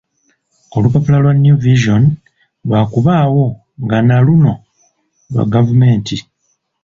Olupapula lwa New Vision lwakubaayo nga na luno lwa gavumenti.